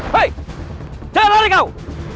hei jangan lari kau